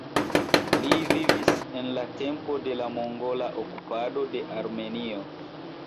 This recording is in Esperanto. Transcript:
Li vivis en la tempo de la mongola okupado de Armenio.